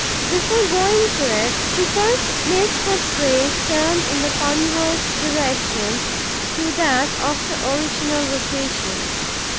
Before going to it, she first makes her prey turn in the converse direction to that of the original rotation.